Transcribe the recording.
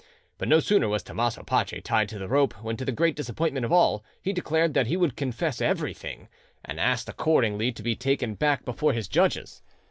But no sooner was Tommaso Pace tied to the rope, when to the great disappointment of all he declared that he would confess everything, and asked accordingly to be taken back before his judges.